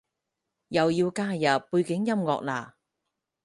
又要加入背景音樂喇？